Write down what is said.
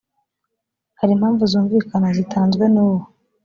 hari impamvu zumvikana zitanzwe n uwo